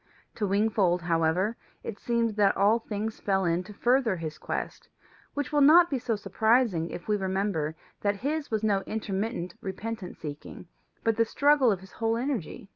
To Wingfold, however, it seemed that all things fell in to further his quest, which will not be so surprising if we remember that his was no intermittent repentant seeking, but the struggle of his whole energy.